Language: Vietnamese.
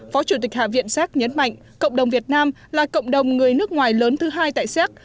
phó chủ tịch hạ viện séc nhấn mạnh cộng đồng việt nam là cộng đồng người nước ngoài lớn thứ hai tại séc